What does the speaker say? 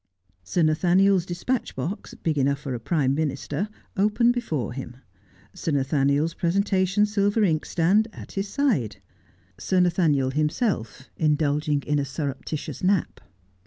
Sir Nathaniel's despatch box, big enough for a Prime Minister, open before him ; Sir Nathaniel's presentation silver inkstand at his side ; Sir Nathaniel himself indulging in a surreptitious nap.